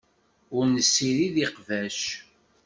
Ur nessirid iqbac.